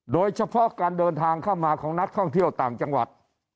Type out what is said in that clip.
โดยเฉพาะการเดินทางเข้ามาของนักท่องเที่ยวต่างจังหวัด